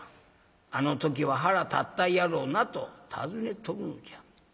あの時は腹立ったやろなと尋ねとるんじゃ」。